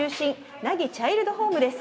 なぎチャイルドホームです。